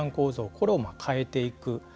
これを変えていく。